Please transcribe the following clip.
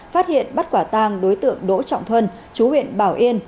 phát hiện bắt quả tang đối tượng đỗ trọng thuân chú huyện bảo yên